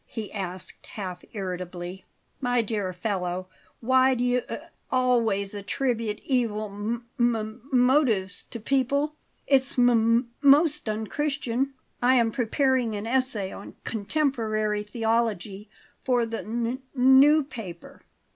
he asked half irritably. "My dear fellow, why do you a a always attribute evil m m motives to people? It's m most unchristian. I am preparing an essay on contemporary theology for the n n new paper."